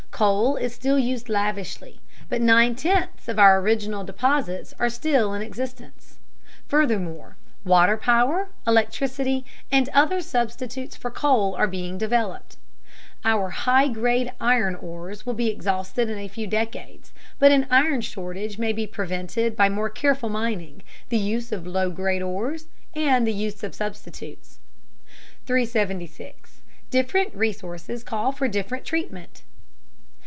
Coal is still used lavishly, but nine tenths of our original deposits are still in existence. Furthermore, water power, electricity, and other substitutes for coal are being developed. Our high grade iron ores will be exhausted in a few decades, but an iron shortage may be prevented by more careful mining, the use of low grade ores, and the use of substitutes. 376. DIFFERENT RESOURCES CALL FOR DIFFERENT TREATMENT.